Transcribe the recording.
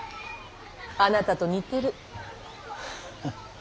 あなたと似てる。